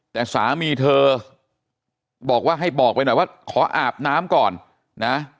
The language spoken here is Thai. แต่สามีเธอบอกว่าให้บอกไปหน่อยว่าขออาบน้ำก่อนนะ